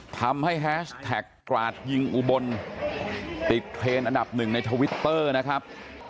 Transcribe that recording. แฮชแท็กกราดยิงอุบลติดเทรนด์อันดับหนึ่งในทวิตเตอร์นะครับ